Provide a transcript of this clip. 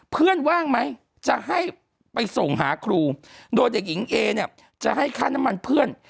ว่างไหมจะให้ไปส่งหาครูโดยเด็กหญิงเอเนี่ยจะให้ค่าน้ำมันเพื่อน